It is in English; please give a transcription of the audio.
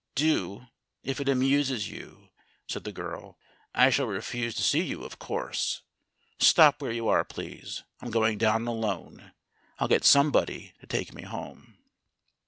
"Do, if it amuses you," said the girl. "I shall refuse to see you, of course. Stop where you are, please I'm going down alone. I'll get somebody to take me home."